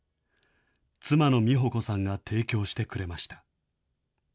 妻の美保子さんが提供してくれました。